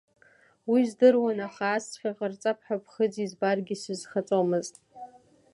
Уи здыруан, аха асҵәҟьа ҟарҵап ҳәа ԥхыӡ избаргьы исызхаҵомызт.